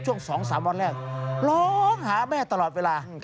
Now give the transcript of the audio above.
ช่วง๒๓วันแรกร้องหาแม่ตลอดเวลา